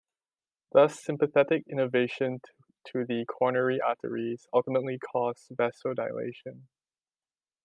Thus sympathetic innervation to the coronary arteries ultimately causes vasodilation.